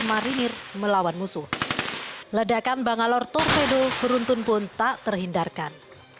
marinir melawan musuh ledakan bangalor torpedo beruntun pun tak terhindarkan